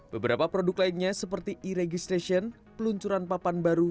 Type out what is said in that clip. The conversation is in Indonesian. beberapa produk lainnya seperti e registration peluncuran papan baru